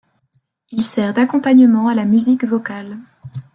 Il sert d'accompagnement à la musique vocale.